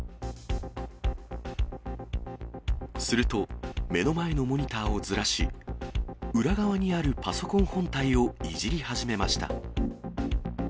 すると、目の前のモニターをずらし、裏側にあるパソコン本体をいじり始めました。